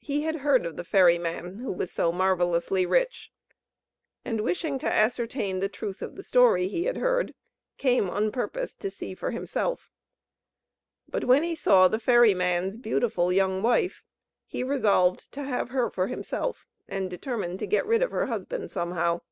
He had heard of the ferry man, who was so marvellously rich, and wishing to ascertain the truth of the story he had heard, came on purpose to see for himself. But when he saw the ferry man's beautiful young wife, he resolved to have her for himself, and determined to get rid of her husband somehow.